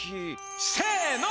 せの！